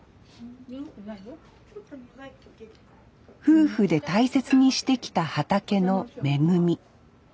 夫婦で大切にしてきた畑の恵み。